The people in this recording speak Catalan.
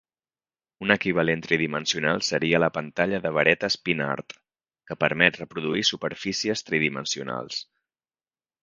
Un equivalent tridimensional seria la pantalla de varetes Pin Art, que permet reproduir superfícies tridimensionals.